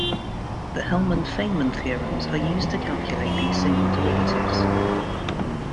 The Hellmann-Feynman theorems are used to calculate these single derivatives.